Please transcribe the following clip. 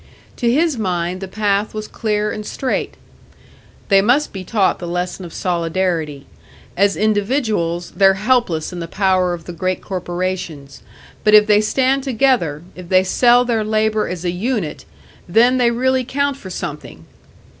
To his mind the path was clear and straight. "They must be taught the lesson of solidarity. As individuals, they're helpless in the power of the great corporations; but if they stand together, if they sell their labour as a unit then they really count for something."